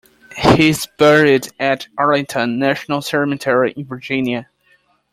He is buried at Arlington National Cemetery in Virginia.